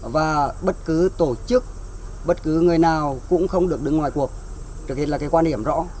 và bất cứ tổ chức bất cứ người nào cũng không được đứng ngoài cuộc trước hết là cái quan điểm rõ